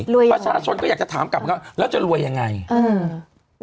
รวยอย่างไรประชาชนก็อยากจะถามกับเขาแล้วจะรวยยังไงอืม